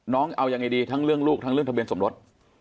น้องเอายังไงดีทั้งเรื่องลูกทั้งเรื่องทะเบียนสมรส